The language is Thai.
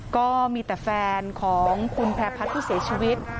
ก็มีแต่แฟนของคุณแพรพัฒน์ผู้เสียชีวิต